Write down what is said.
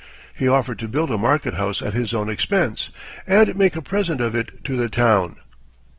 He offered to build a market house at his own expense, and make a present of it to the town.